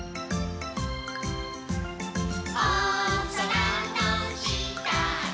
「おそらのしたで」